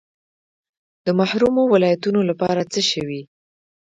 د محرومو ولایتونو لپاره څه شوي؟